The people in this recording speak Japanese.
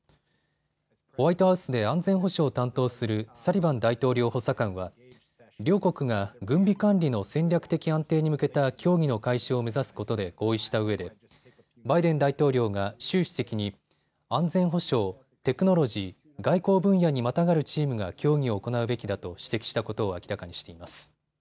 ホワイトハウスで安全保障を担当するサリバン大統領補佐官は両国が軍備管理の戦略的安定に向けた協議の開始を目指すことで合意したうえでバイデン大統領が習主席に安全保障、テクノロジー、外交分野にまたがるチームが協議を行うべきだと指摘したことを明らかにしています。